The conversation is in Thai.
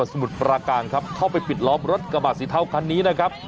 สมุทรปราการครับเข้าไปปิดล้อมรถกระบาดสีเทาคันนี้นะครับ